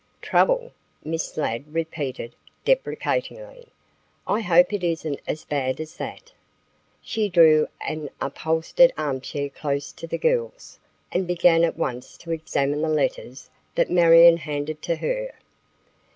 "Trouble," Miss Ladd repeated deprecatingly, "I hope it isn't as bad as that." She drew an upholstered armchair close to the girls and began at once to examine the letters that Marion handed to her.